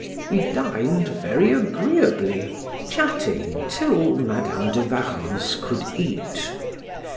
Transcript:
We dined very agreeably, chatting till Madam de Warrens could eat.